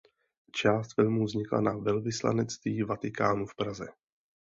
Část filmu vznikla na velvyslanectví Vatikánu v Praze.